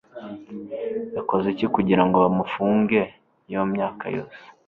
yakoze iki kugirango bamufunge iyo myaka yose?